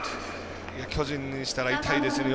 巨人からしたら痛いですね。